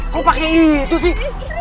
kok pake itu sih